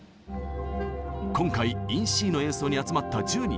今回「ＩｎＣ」の演奏に集まった１０人。